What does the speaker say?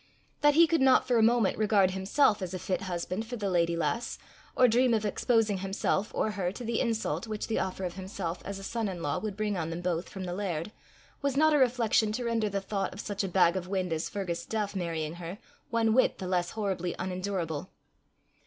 That he could not for a moment regard himself as a fit husband for the lady lass, or dream of exposing himself or her to the insult which the offer of himself as a son in law would bring on them both from the laird, was not a reflection to render the thought of such a bag of wind as Fergus Duff marrying her, one whit the less horribly unendurable.